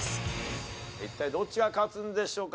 一体どっちが勝つんでしょうか？